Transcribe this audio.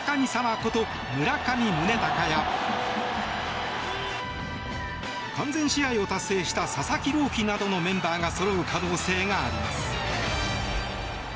こと村上宗隆や完全試合を達成した佐々木朗希などのメンバーがそろう可能性があります。